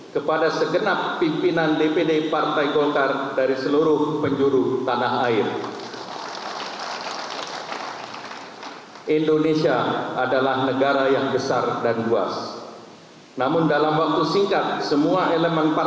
kepada segenap pimpinan dpd partai golkar dari seluruh penjuru tanah air